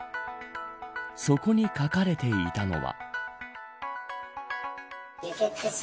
そこに書かれていたのは。